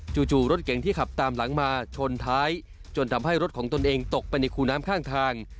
จู่รถเก่งที่ขับตามหลังมาชนท้ายจนทำให้รถของตนเองตกไปในคูน้ำข้างทาง